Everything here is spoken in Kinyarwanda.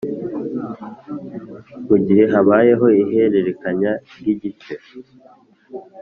Mu gihe habayeho ihererekanya ry igice